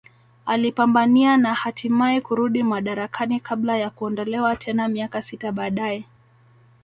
Alipambania na hatimae kurudi madarakani kabla ya kuondolewa tena miaka sita baadae